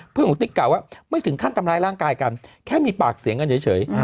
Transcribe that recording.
เพื่อนของติ๊กกล่าว่าไม่ถึงขั้นทำร้ายร่างกายกันแค่มีปากเสียงกันเฉย